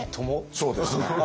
そうですね。